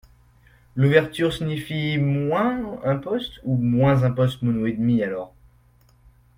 L’ouverture signifie moins un poste ou moins un poste mono et demi alors ?